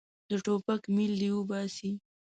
د ټوپک میل دې وباسي.